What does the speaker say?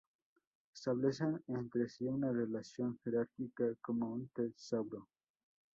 Establecen entre sí una relación jerárquica como un Tesauro.